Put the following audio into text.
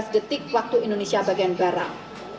tiga belas detik waktu indonesia bagian barat